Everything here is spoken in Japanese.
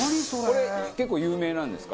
これ結構有名なんですか？